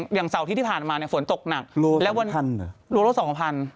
อย่างเศร้าที่ที่ผ่านมาเนี้ยฝนตกหนักโลลดสองพันหรือโลลดสองพัน